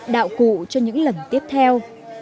đạo cụ cho những lần tiếp theo